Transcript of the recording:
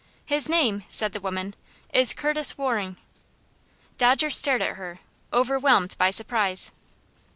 "His name," said the woman, "is Curtis Waring." Dodger stared at her, overwhelmed with surprise.